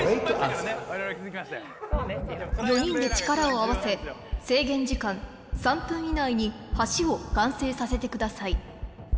４人で力を合わせ制限時間３分以内に橋を完成させてください